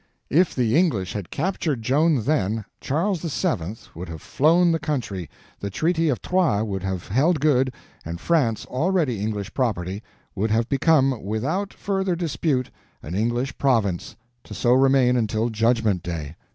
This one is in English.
If the English had captured Joan then, Charles VII. would have flown the country, the Treaty of Troyes would have held good, and France, already English property, would have become, without further dispute, an English province, to so remain until Judgment Day.